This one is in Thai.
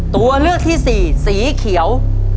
ตัวเลือกที่สี่สีเขียว